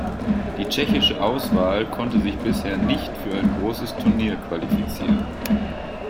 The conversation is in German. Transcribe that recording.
Die tschechische Auswahl konnte sich bisher nicht für ein großes Turnier qualifizieren.